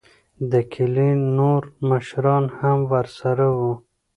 دکلي نوور مشران هم ورسره وو.